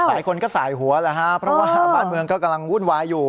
หลายคนก็สายหัวบ้านเมืองก็กำลังวุ่นวายอยู่